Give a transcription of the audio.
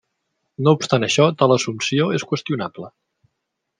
No obstant això tal assumpció és qüestionable.